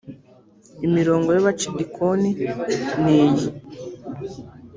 imirimo ya bacidikoni niyi